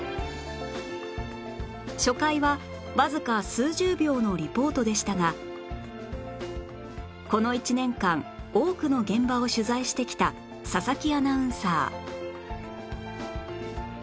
初回はわずか数十秒のリポートでしたがこの１年間多くの現場を取材してきた佐々木アナウンサー